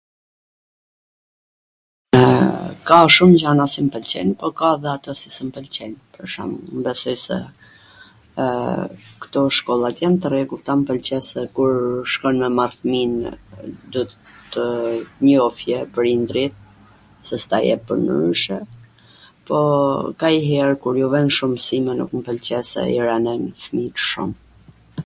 Ka shum gjana si m pwlqejn, po ka edhe ato si s mw pwlqejn, pwr shwmbull besoj se kto shkollat jan tw rregullta, mw pwlqen se kur shkon me marr fmin duhetw njofje, prindri, se s ta jep pwrndryshe, po kanjher, kur ju ven shum msime, nuk mw pwlqen se i ranojn fmijt shum,